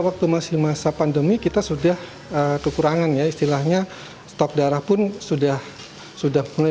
waktu masih masa pandemi kita sudah kekurangan ya istilahnya stok darah pun sudah sudah mulai